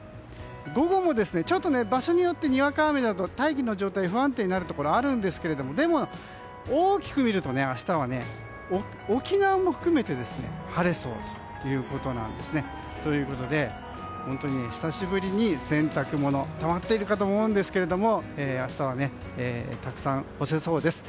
午後もちょっと場所によってにわか雨など大気の状態が不安定になるところあるんですけれどもでも大きく見ると、明日は沖縄も含めて晴れそうということなんですね。ということで久しぶりに洗濯物たまっているかと思うんですけど明日はたくさん干せそうです。